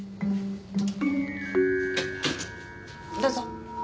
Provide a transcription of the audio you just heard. どうぞ。